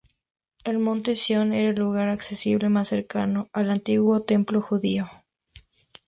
El Monte Sion era el lugar accesible más cercano al antiguo templo judío.